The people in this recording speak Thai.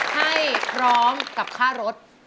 ให้พร้อมกับค่ารถ